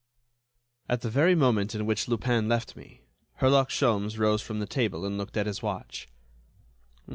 At the very moment in which Lupin left me, Herlock Sholmes rose from the table, and looked at his watch.